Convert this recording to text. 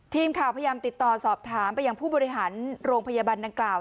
ทีมข่าวพยายามติดต่อสอบถามไปยังผู้บริหารโรงพยาบาลดังกล่าว